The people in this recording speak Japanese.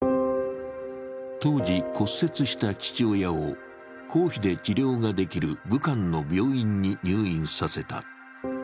当時骨折した父親を公費で治療ができる武漢の病院に入院させた。